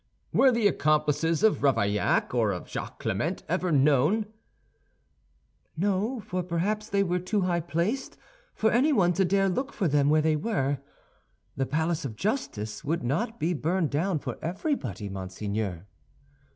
"Were the accomplices of Ravaillac or of Jacques Clément ever known?" "No; for perhaps they were too high placed for anyone to dare look for them where they were. The Palace of Justice would not be burned down for everybody, monseigneur."